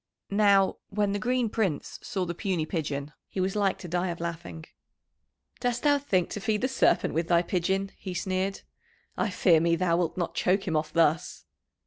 Now, when the Green Prince saw the puny pigeon, he was like to die of laughing. "Dost thou think to feed the Serpent with thy pigeon?" he sneered. "I fear me thou wilt not choke him off thus."